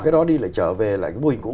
đi lại trở về lại cái mô hình cũ